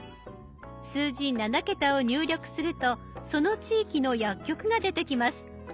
数字７桁を入力するとその地域の薬局が出てきます。